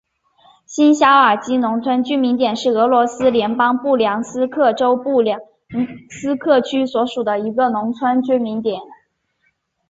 新肖尔基农村居民点是俄罗斯联邦布良斯克州布良斯克区所属的一个农村居民点。